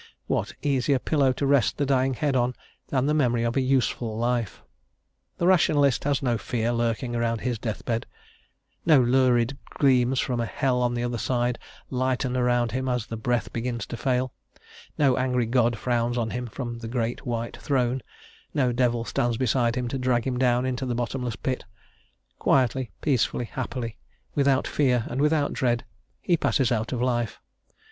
What easier pillow to rest the dying head on than the memory of a useful life? The Rationalist has no fear lurking around his death bed; no lurid gleams from a hell on the other side lighten around him as his breath begins to fail; no angry God frowns on him from the great white throne; no devil stands beside him to drag him down into the bottomless pit; quietly, peacefully, happily, without fear and without dread, he passes out of life.